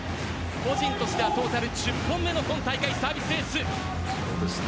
個人としてはトータル１０本目の今大会サービスエース。